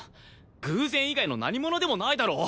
偶然以外の何ものでもないだろ？